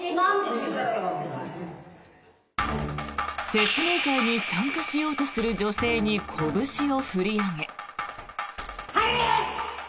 説明会に参加しようとする女性にこぶしを振り上げ。